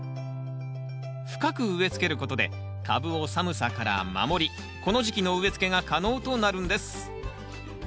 深く植えつけることで株を寒さから守りこの時期の植えつけが可能となるんです。